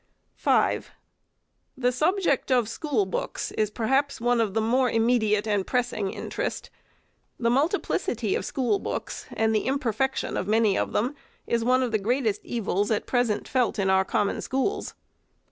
5. The subject of school books is perhaps one of more immediate and pressing interest. The multiplicity of school books, and the imperfection of many of them, is one of the greatest evils at present felt in our Common Schools.